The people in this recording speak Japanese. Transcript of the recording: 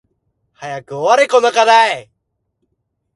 早く終われこの課題